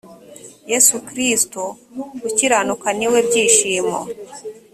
yesu kristo ukiranuka niwe byishimo.